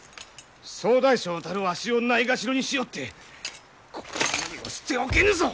総大将たるわしをないがしろにしおってこのままには捨ておけぬぞ！